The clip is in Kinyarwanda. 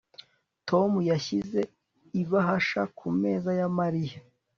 Tom yashyize ibahasha ku meza ya Mariya